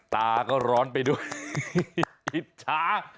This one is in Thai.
ตาก็ร้อนไปด้วยอิจฉา